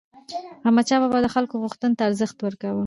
احمدشاه بابا د خلکو غوښتنو ته ارزښت ورکاوه.